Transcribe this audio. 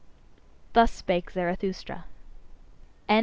Thus spake Zarathustra. XIV.